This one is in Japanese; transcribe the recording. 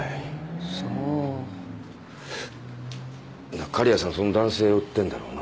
なあ狩矢さんその男性追ってんだろうな。